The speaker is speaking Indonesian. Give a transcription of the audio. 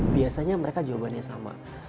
biasanya mereka jawabannya sama